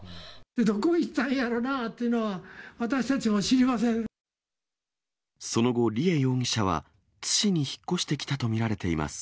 どこ行ったんやろなというのその後、梨恵容疑者は津市に引っ越してきたと見られています。